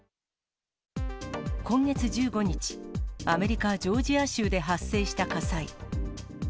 今月１５日、アメリカ・ジョージア州で発生した火災。